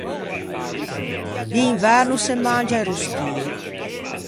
D’inverno se mangia e rostie.